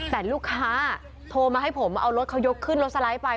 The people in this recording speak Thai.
แต่ลูกค้าโทรมาให้ผมเอารถเขายกขึ้นรถสไลด์ไป